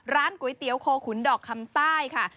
ร้านก๋วยเตี๋ยวโคขุนดอกคำใต้ค่ะ